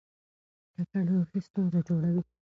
ککړ لوښي ستونزه جوړوي.